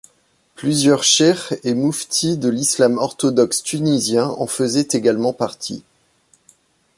Plusieurs cheikhs et muftis de l'islam orthodoxe tunisiens en faisaient également partie.